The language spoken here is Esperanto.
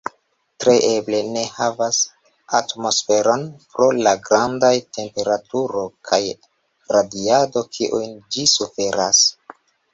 Tre eble ne havas atmosferon pro la grandaj temperaturo kaj radiado kiujn ĝi suferas.